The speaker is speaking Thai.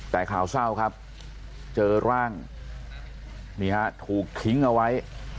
แต่ข่าวเศร้าครับเจอร่างนี่ฮะถูกทิ้งเอาไว้